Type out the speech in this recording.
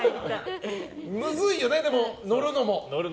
むずいよね、乗るのも。